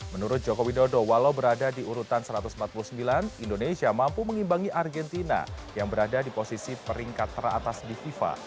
menurut joko widodo walau berada di urutan satu ratus empat puluh sembilan indonesia mampu mengimbangi argentina yang berada di posisi peringkat teratas di fifa